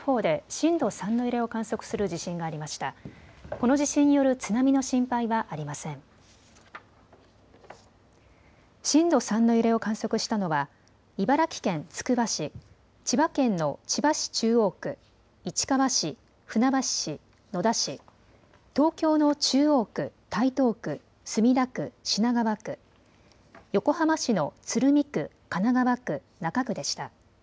震度３の揺れを観測ししたのは茨城県つくば市、千葉県の千葉市中央区、市川市、船橋市、野田市、東京の中央区、台東区、墨田区、品川区、横浜市の鶴見区、神奈川区、中区でした。